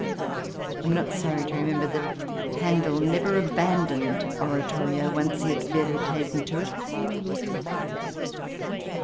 I am not sorry to remember that Handel never abandoned oratorio after he had once fairly taken to it.